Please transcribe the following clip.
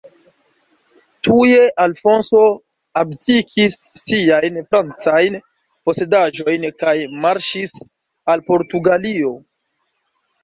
Tuje Alfonso abdikis siajn francajn posedaĵojn kaj marŝis al Portugalio.